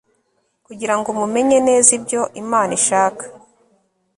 kugira ngo mumenye neza ibyo Imana ishaka